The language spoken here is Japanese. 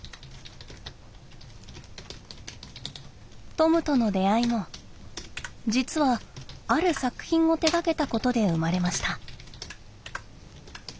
トムとの出会いも実はある作品を手がけたことで生まれました。